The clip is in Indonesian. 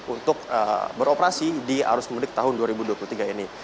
untuk beroperasi di arus mudik tahun dua ribu dua puluh tiga ini